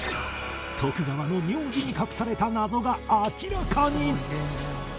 徳川の名字に隠された謎が明らかに！